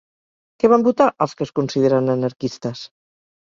Què van votar els que es consideren anarquistes?